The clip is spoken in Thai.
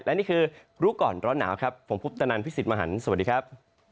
และนี่คือรู้ก่อนร้อนหนาวครับผมพุทธนันพี่สิทธิ์มหันฯสวัสดีครับ